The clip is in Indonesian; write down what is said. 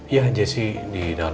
iya jessy di dalam